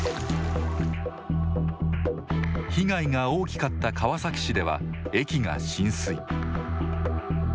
被害が大きかった川崎市では駅が浸水。